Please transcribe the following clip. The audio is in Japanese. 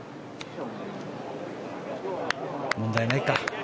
問題ないか。